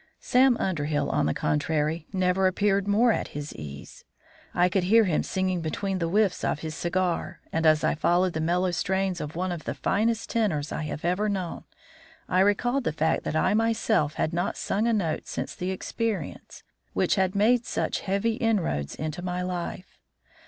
Sam Underhill, on the contrary, never appeared more at his ease. I could hear him singing between the whiffs of his cigar, and, as I followed the mellow strains of one of the finest tenors I have ever known, I recalled the fact that I myself had not sung a note since the experience which had made such heavy inroads into my life.